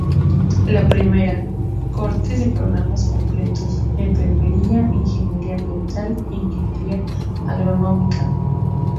La primera, cohortes de programas completos: Enfermería, Ingeniería Ambiental e Ingeniería Agronómica.